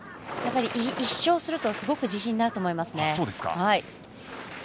１勝するとすごく自信になると思います。